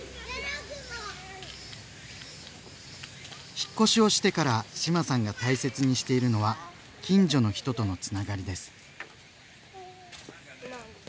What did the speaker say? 引っ越しをしてから志麻さんが大切にしているのは近所の人とのつながりです。